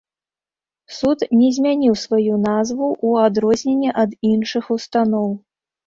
Суд не змяніў сваю назву ў адрозненні ад іншых устаноў.